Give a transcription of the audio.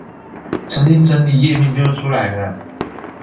重新整理頁面就會出來了